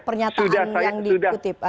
pernyataan yang dikutip